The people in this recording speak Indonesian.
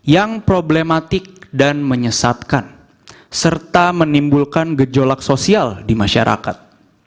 yang problematik dan menyesatkan serta menimbulkan gejolak sosial di masyarakat